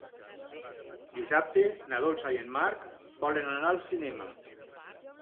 Dissabte na Dolça i en Marc volen anar al cinema.